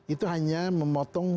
itu hanya memotong